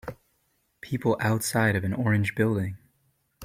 People outside of an orange building.